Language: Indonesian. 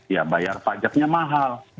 ya bayar pajaknya mahal